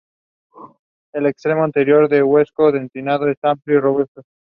El extremo anterior del hueso dentario es amplio y robusto.